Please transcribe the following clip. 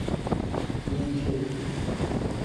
N'ouzon ket !